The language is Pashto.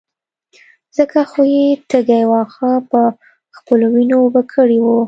ځکه خو يې تږي واښه په خپلو وينو اوبه کړي وو.